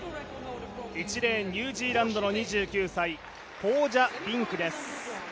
１レーン、ニュージーランドの２９歳、ポージャ・ビングです。